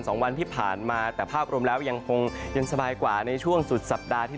สองวันที่ผ่านมาแต่ภาพรวมแล้วยังคงยังสบายกว่าในช่วงสุดสัปดาห์ที่